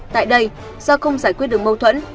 tại đây do không giải quyết được mâu thuẫn